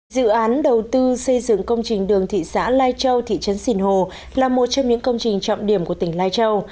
dự án đầu tư xây dựng công trình đường thị xã lai châu thị trấn sìn hồ là một trong những công trình trọng điểm của tỉnh lai châu